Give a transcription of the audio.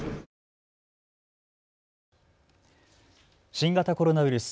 新型コロナウイルス。